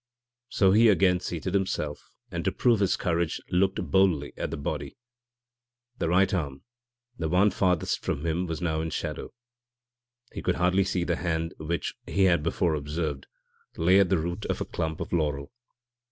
So he again seated himself, and to prove his courage looked boldly at the body. The right arm the one farthest from him was now in shadow. He could hardly see the hand which, he had before observed, lay at the root of a clump of laurel.